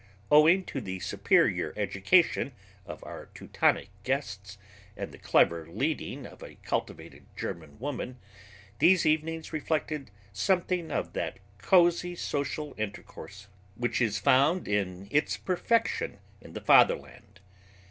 Owing to the superior education of our Teutonic guests and the clever leading of a cultivated German woman, these evenings reflected something of that cozy social intercourse which is found in its perfection in the fatherland.